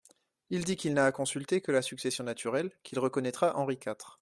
Il dit qu'il n'a à consulter que la succession naturelle, qu'il reconnaîtra Henri quatre.